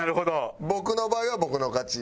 僕の場合は僕の勝ち。